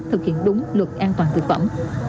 thực hiện đúng luật an toàn thực phẩm